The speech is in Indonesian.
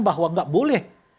bahwa tidak boleh